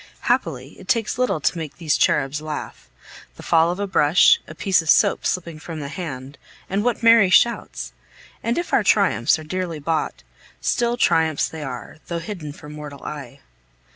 Happily, it takes little to make these cherubs laugh; the fall of a brush, a piece of soap slipping from the hand, and what merry shouts! And if our triumphs are dearly bought, still triumphs they are, though hidden from mortal eye.